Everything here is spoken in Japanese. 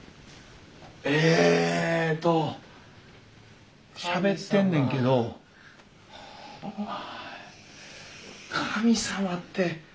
えっとしゃべってんねんけど神様って。